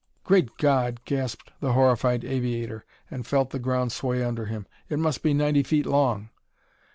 "Great God!" gasped the horrified aviator, and felt the ground sway under him. "It must be ninety feet long!"